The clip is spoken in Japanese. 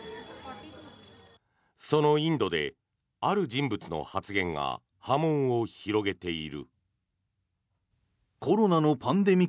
そのインドで、ある人物の発言が波紋を広げている。